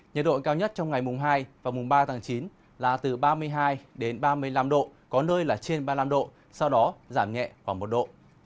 nhiệt độ cao nhất trong ngày mùng hai và mùng ba tháng chín là từ ba mươi hai đến ba mươi năm độ có nơi là trên ba mươi năm độ sau đó giảm nhẹ khoảng một độ